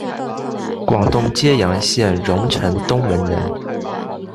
广东揭阳县榕城东门人。